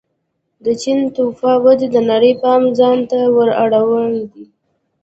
د چین توفا ودې د نړۍ پام ځان ته ور اړولی دی.